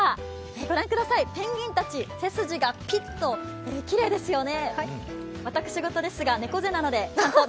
御覧ください、ペンギンたち、背筋がピッときれいですよね。